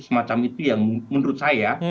semacam itu yang menurut saya